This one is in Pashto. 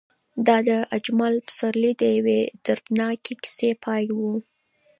دا د اجمل پسرلي د یوې دردناکې کیسې پای و.